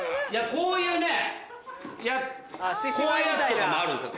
こういうねこういうやつとかもあるんですよ